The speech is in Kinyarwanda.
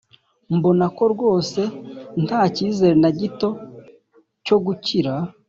mbona ko rwose ntacyizere nagito cyo gukira.